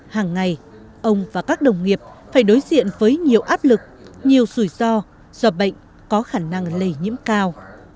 hàng ngày ông và các đồng nghiệp phải đối diện với nhiều áp lực nhiều rủi ro do bệnh có khả năng lây nhiễm cao